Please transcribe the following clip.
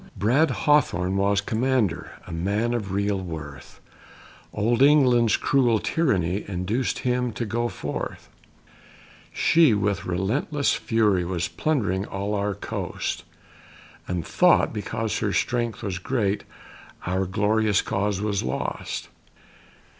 Bold Hawthorne was commander, A man of real worth, Old England's cruel tyranny Induced him to go forth; She, with relentless fury, Was plundering all our coast, And thought, because her strength was great, Our glorious cause was lost.